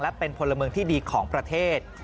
และเป็นพลเมืองที่ดีของประเทศ